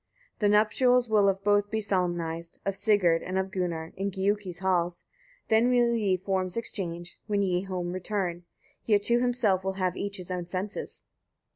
42. The nuptials will of both be solemnized, of Sigurd and of Gunnar, in Giuki's halls; then will ye forms exchange, when ye home return; yet to himself will have each his own senses.